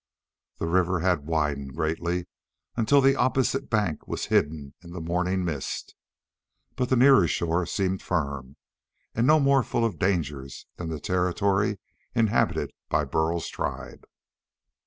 The river had widened greatly until the opposite bank was hidden in the morning mist, but the nearer shore seemed firm and no more full of dangers than the territory inhabited by Burl's tribe.